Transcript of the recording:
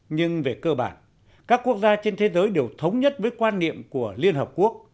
nhưng về cơ bản các quốc gia trên thế giới đều thống nhất với quan niệm của liên hợp quốc